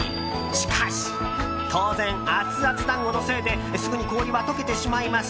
しかし当然、アツアツ団子のせいですぐに氷はとけてしまいます。